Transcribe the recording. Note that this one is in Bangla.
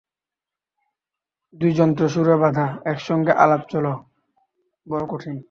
দুই যন্ত্র সুরে বাঁধা, একসঙ্গে আলাপ চলা বড়ো কঠিন।